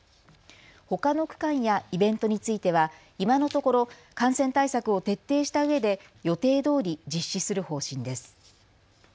ほかの区間やイベントについては今のところ感染対策を徹底したうえで予定どおり実施する方針です。